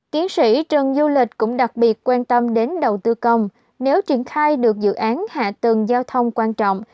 tiến sĩ trần du lịch cũng đặc biệt quan tâm đến đầu tư công nếu triển khai được dự án hạ tầng giao thông quan trọng